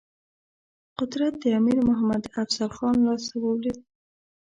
قدرت د امیر محمد افضل خان لاسته ولوېد.